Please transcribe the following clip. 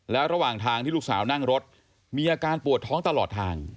แล้วระหว่างทางที่ลูกสาวนั่งรถมีอาการปวดท้องตลอดทาง